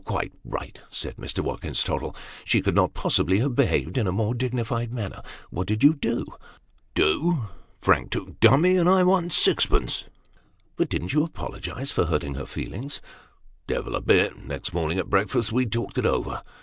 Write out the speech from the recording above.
" Quite right !" said Mr. Watkins Tottle ;" she could not possibly have behaved in a more dignified manner. What did you do ?"" Do ? Frank took dummy ; and I won sixpence." " But, didn't you apologise for hurting her feelings ?"" Devil a bit. Next morning at breakfast, we talked it over.